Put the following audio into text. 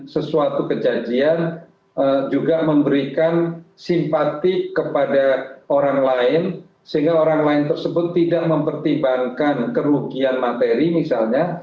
sesuatu kejadian juga memberikan simpatik kepada orang lain sehingga orang lain tersebut tidak mempertimbangkan kerugian materi misalnya